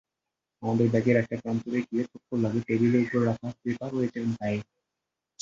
আমার ব্যাগের একটা প্রান্ত গিয়ে ঠোক্কর লাগে টেবিলের ওপর রাখা পেপার ওয়েটের গায়ে।